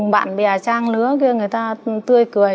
bè trang lứa kia người ta tươi cười